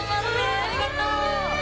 ありがとう。